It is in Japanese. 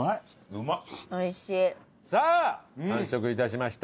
さあ完食致しました。